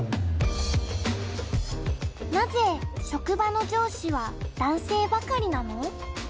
なぜ職場の上司は男性ばかりなの？